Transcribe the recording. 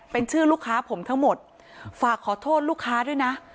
เป็นชื่อลูกค้าผมทั้งหมดฝากขอโทษลูกค้าด้วยนะ